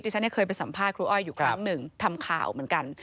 ฉันเคยไปสัมภาษณ์ครูอ้อยอยู่ครั้งหนึ่งทำข่าวเหมือนกัน